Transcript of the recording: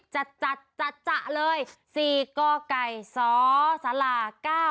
จัดเลย๔กไก่ซ้อสารา๙๒๒๒